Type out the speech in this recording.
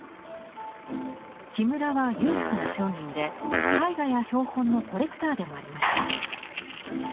木村は裕福な商人で絵画や標本のコレクターでもありました。